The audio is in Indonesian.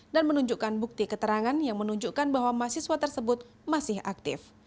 dan menunjukkan bukti keterangan yang menunjukkan bahwa mahasiswa tersebut masih aktif